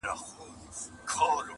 د یوه بل په ښېګڼه چي رضا سي؛